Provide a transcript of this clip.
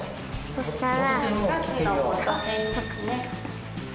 そしたら。